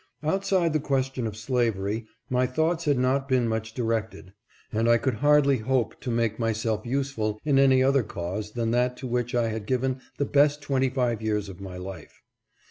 Outside the question of slavery my thoughts had not been much directed, and 1 could hardly hope to make myself useful in any other cause than that to which I had given the best twenty five years of my life.